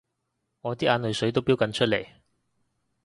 我啲眼淚水都標緊出嚟